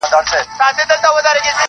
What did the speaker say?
• لکه توپان په مخه کړې مرغۍ -